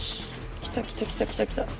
来た来た来た来た来た。